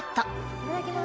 いただきます。